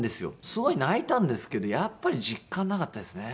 すごい泣いたんですけどやっぱり実感なかったですね。